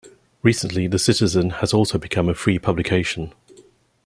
Recently, the Citizen has also become a free publication.